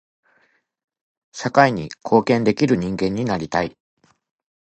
社会に貢献できる人間になりたい。